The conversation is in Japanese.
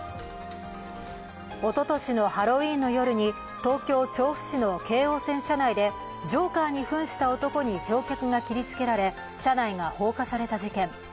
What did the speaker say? おととしのハロウィーンの夜に東京・調布市の京王線車内でジョーカーにふんした男に乗客が切りつけられ車内が放火された事件。